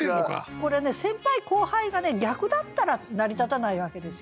これね先輩・後輩が逆だったら成り立たないわけですよね。